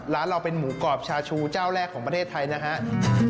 ร้านเราเป็นหมูกรอบชาชูเจ้าแรกของประเทศไทยนะครับ